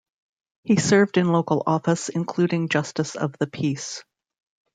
He served in local office including justice of the peace.